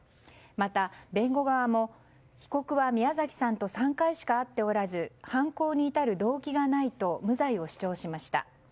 また、弁護側も被告は宮崎さんと３回しか会っておらず犯行に至る動機がないと無罪を主張しました。